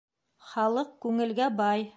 Халыҡ күңелгә бай.